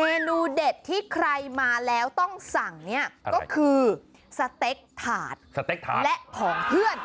เมนูเด็ดที่ใครมาแล้วต้องสั่งเนี่ยก็คือสเต็กถาดสเต็กถาดและของเพื่อน